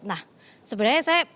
nah sebenarnya saya ingin tahu ya